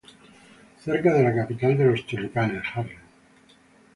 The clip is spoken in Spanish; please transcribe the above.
Cerca de la capital de los tulipanes, Haarlem.